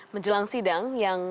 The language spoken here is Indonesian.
menjelang sidang yang